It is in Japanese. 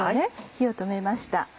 火を止めました。